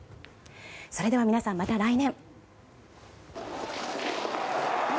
それでは皆さん、また来年。